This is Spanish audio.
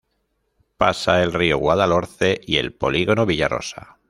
Pasa el río Guadalhorce y el Polígono Villa Rosa.